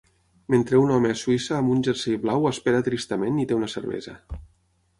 Mentre un home a Suïssa amb un jersei blau espera tristament i té una cervesa